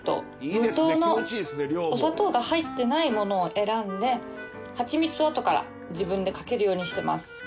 無糖のお砂糖が入ってないものを選んでハチミツをあとから自分でかけるようにしてます。